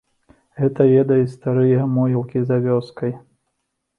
Гэта ведаюць старыя могілкі за вёскай.